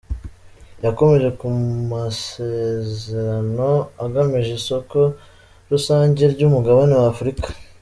Yakomoje ku masezerano agamije isoko rusange ry’umugabane wa Africa,